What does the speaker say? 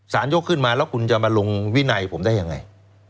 ยกขึ้นมาแล้วคุณจะมาลงวินัยผมได้ยังไง